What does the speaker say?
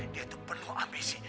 dia itu penuh ambisi